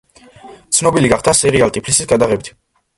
ცნობილი გახდა სერიალ „ტიფლისის“ გადაღებით.